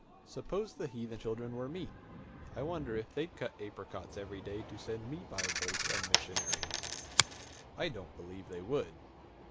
"Suppose the heathen children were me, I wonder if they'd cut apricots every day to send me Bibles and missionaries? I don't believe they would."